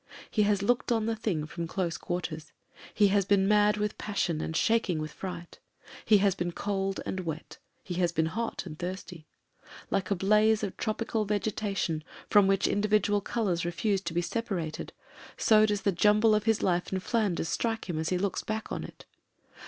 He has looked on the thing from close quarters ; he has been mad with pas sion and shaking with fright; he has been cold and wet, he has been hot and thirsty. Like a blaze of tropical vegetation from which individual colours re THE WOMEN AND— THE MEN 247 I fuse to be separated, so does the jumble of his life in Flanders strike him as he looks back on it.